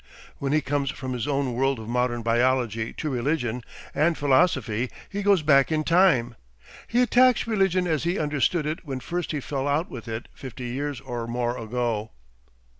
When he comes from his own world of modern biology to religion and philosophy he goes back in time. He attacks religion as he understood it when first he fell out with it fifty years or more ago.